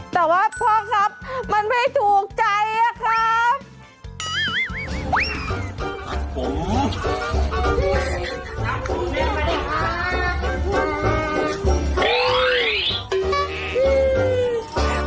แต่ว่าพ่อครับมันไม่ถูกใจอะครับ